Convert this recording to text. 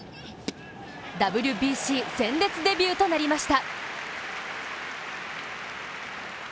ＷＢＣ鮮烈デビューとなりました。